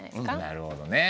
なるほどね。